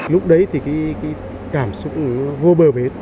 lúc đấy thì cái cảm xúc vô bờ bến